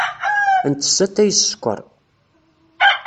Nettess atay s sskeṛ.